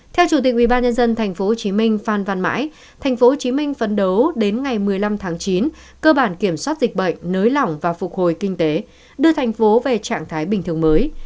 theo chủ tịch ubnd tp hcm phan văn mãi tp hcm phấn đấu đến ngày một mươi năm tháng chín cơ bản kiểm soát dịch bệnh nới lỏng và phục hồi kinh tế đưa thành phố về trạng thái bình thường mới